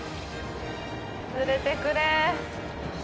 釣れてくれ。